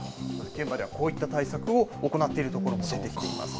現場では、こういった対策を行っているところも出てきています。